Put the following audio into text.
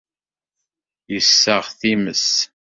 Yessaɣ times.